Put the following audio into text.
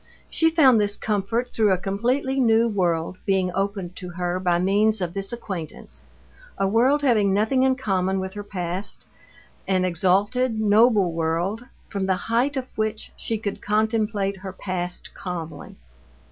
She found this comfort through a completely new world being opened to her by means of this acquaintance, a world having nothing in common with her past, an exalted, noble world, from the height of which she could contemplate her past calmly.